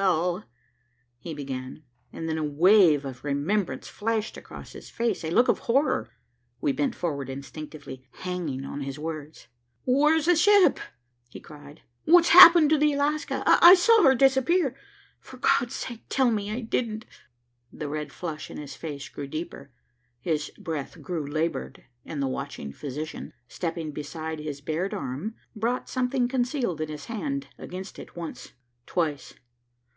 "Well " he began, and then a wave of remembrance flashed across his face, a look of horror. We bent forward instinctively, hanging on his words. "Where's the ship?" he cried. "What's happened to the Alaska? I saw her disappear. For God's sake tell me I didn't " The red flush in his face grew deeper, his breath grew labored, and the watching physician, stepping beside his bared arm, brought something concealed in his hand against it once, twice.